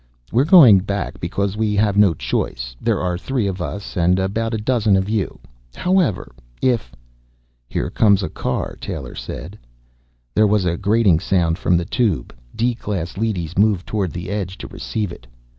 "We are going back because we have no choice. There are three of us and about a dozen of you. However, if " "Here comes the car," Taylor said. There was a grating sound from the Tube. D class leadys moved toward the edge to receive it.